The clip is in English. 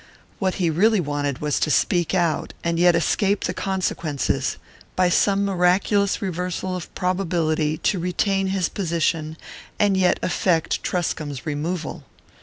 What he really wanted was to speak out, and yet escape the consequences: by some miraculous reversal of probability to retain his position and yet effect Truscomb's removal.